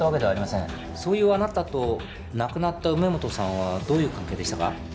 そういうあなたと亡くなった梅本さんはどういう関係でしたか？